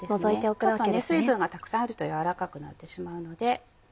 ちょっと水分がたくさんあると軟らかくなってしまうので。